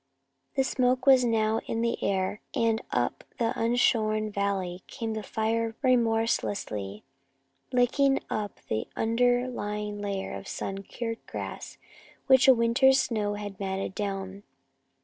The smoke was now in the air, and up the unshorn valley came the fire remorselessly, licking up the under lying layer of sun cured grass which a winter's snow had matted down.